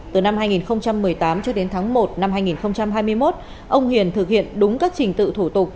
từ năm hai nghìn một mươi tám cho đến tháng một năm hai nghìn hai mươi một ông hiền thực hiện đúng các trình tự thủ tục